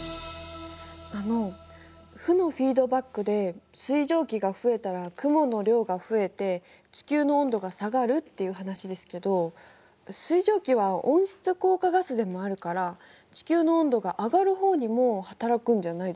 あの負のフィードバックで水蒸気が増えたら雲の量が増えて地球の温度が下がるっていう話ですけど水蒸気は温室効果ガスでもあるから地球の温度が上がる方にも働くんじゃないですか？